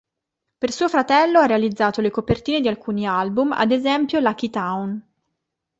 Per suo fratello ha realizzato le copertine di alcuni album, ad esempio "Lucky Town".